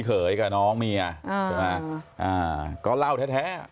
ก็เหล้าแท้